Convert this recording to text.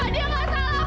dia nggak salah pak